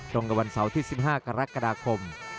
ตรงกับวันเสาร์ที่๑๕กรกฎาคม